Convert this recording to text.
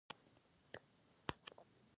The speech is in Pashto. غوا د شیدو، غوښې، او څرمن لپاره ګټوره ده.